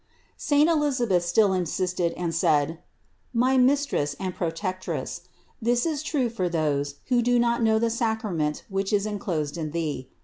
Saint Elisabeth still insisted and said : "My Mis tress and Protectress, this is true for those, who do not know the sacrament which is enclosed in Thee.